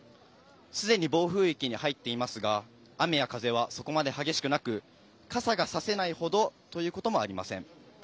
すでに暴風域に入っていますが、雨や風はそこまで激しくなく、傘が差せないほどということもありません。